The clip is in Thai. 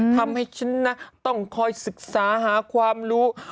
ทำให้ฉันนะต้องคอยศึกษาหาความรู้